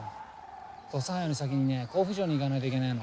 土佐藩より先にね甲府城に行かないといけないの。